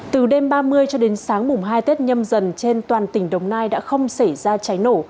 từ đêm ba mươi cho đến sáng mùng hai tết nhâm dần trên toàn tỉnh đồng nai đã không xảy ra cháy nổ